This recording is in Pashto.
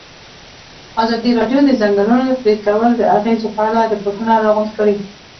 ازادي راډیو د د ځنګلونو پرېکول د اغېزو په اړه ریپوټونه راغونډ کړي.